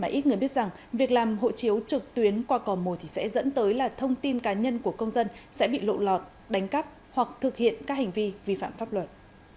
ít người biết rằng việc làm hộ chiếu trực tuyến qua cò mồi thì sẽ dẫn tới là thông tin cá nhân của công dân sẽ bị lộ lọt đánh cắp hoặc thực hiện các hành vi vi phạm pháp luật